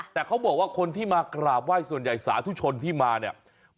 แต่เขาบอกว่าคนที่มากราบไหว้ส่วนใหญ่สาธุชนที่มาเนี่ย